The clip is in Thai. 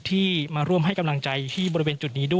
ที่มาให้กำลังใจในบริเวณจุดนี้